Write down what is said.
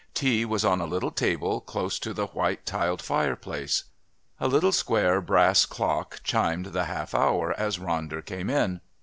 Tea was on a little table close to the white tiled fireplace. A little square brass clock chimed the half hour as Ronder came in.